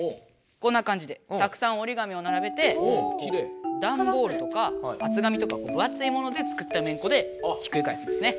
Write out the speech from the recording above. こんなかんじでたくさんおりがみをならべてダンボールとか厚紙とか分厚いもので作っためんこでひっくり返すんですね。